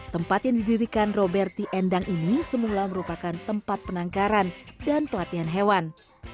tempat yang didirikan roberty endang ini semula merupakan tempat penangkaran dan pelatihan hewan